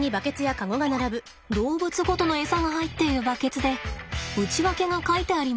動物ごとのエサが入っているバケツで内訳が書いてあります。